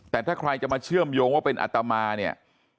แต่ถ้าใครจะมาเชื่อมโยงว่าเป็นอัตมาเนี่ย